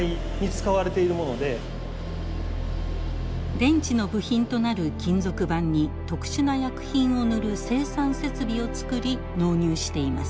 電池の部品となる金属板に特殊な薬品を塗る生産設備をつくり納入しています。